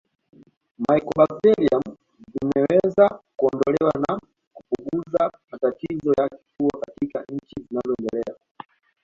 Mycobacterium vimeweza kuondolewa na kupuguza matatizo ya kiafya katika nchi zinazoendelea